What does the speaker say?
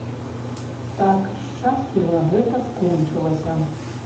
Так шчасліва гэта скончылася.